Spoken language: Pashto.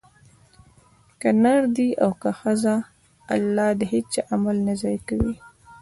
که نر دی او که ښځه؛ الله د هيچا عمل نه ضائع کوي